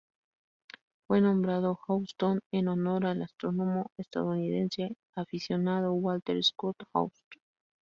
Fue nombrado Houston en honor al astrónomo estadounidense aficionado Walter Scott Houston.